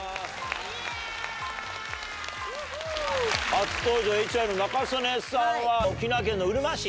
初登場ＨＹの仲宗根さんは沖縄県のうるま市。